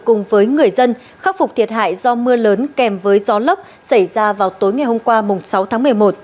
cùng với người dân khắc phục thiệt hại do mưa lớn kèm với gió lốc xảy ra vào tối ngày hôm qua sáu tháng một mươi một